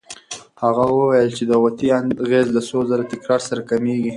هغه وویل چې د غوطې اغېز د څو ځله تکرار سره کمېږي.